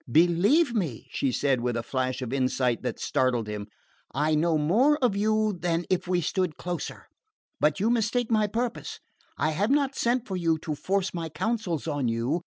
Believe me," she said, with a flash of insight that startled him, "I know more of you than if we stood closer. But you mistake my purpose. I have not sent for you to force my counsels on you.